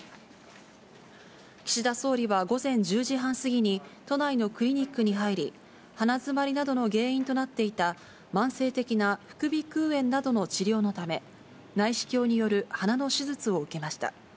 岸田総理は午前１０時半過ぎに都内のクリニックに入り、鼻詰まりなどの原因となっていた慢性的な副鼻腔炎などの治療のため、内視鏡による鼻の手術を受けました。